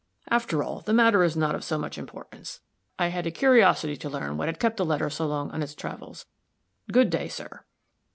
After all, the matter is not of so much importance. I had a curiosity to learn what had kept the letter so long on its travels. Good day, sir."